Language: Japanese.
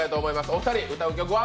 お二人歌う曲は？